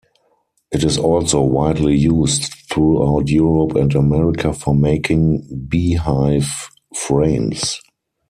It is also widely used throughout Europe and America for making beehive frames.